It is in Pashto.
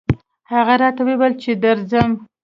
هغه راته وويل چې درځم